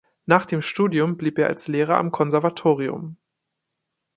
Nach dem Studium blieb er als Lehrer am Konservatorium.